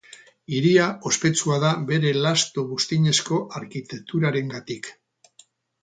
Hiria ospetsua da bere lasto-buztinezko arkitekturarengatik.